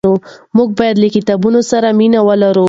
موږ باید له کتابونو سره مینه ولرو.